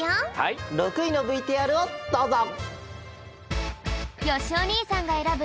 ６いのＶＴＲをどうぞ！